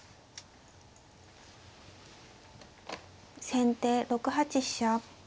先手６八飛車。